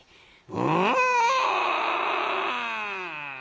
「うん」。